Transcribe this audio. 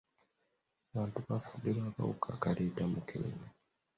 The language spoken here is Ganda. Abantu bafudde lwa kawuka akaleeta mukenenya.